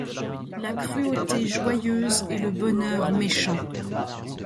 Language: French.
La cruauté joyeuse et le bonheur méchant